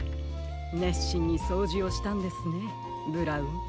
ねっしんにそうじをしたんですねブラウン。